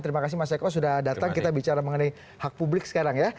terima kasih mas eko sudah datang kita bicara mengenai hak publik sekarang ya